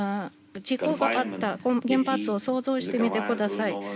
事故があった原発を想像してみてください。